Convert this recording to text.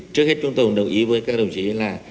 trước hết chúng tôi cũng đồng ý với các đồng chí là